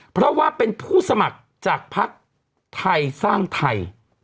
เพราะว่าเป็นผู้สมัครจากภักดิ์ไทยสร้างไทย